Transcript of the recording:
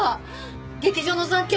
劇場の残金